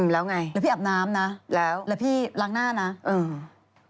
แล้วไงแล้วพี่อาบน้ำนะแล้วแล้วพี่ล้างหน้านะเออ